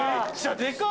でかい。